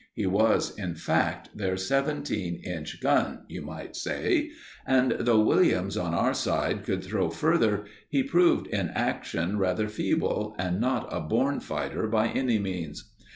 He was, in fact, their seventeen inch gun, you might say; and though Williams on our side could throw further, he proved in action rather feeble and not a born fighter by any means.